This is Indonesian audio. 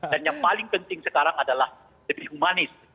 dan yang paling penting sekarang adalah lebih humanis